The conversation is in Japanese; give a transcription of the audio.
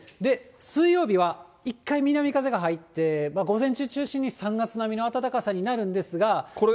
水曜日は一回、南風が入って、午前中中心に３月並みの暖かさになるんですが。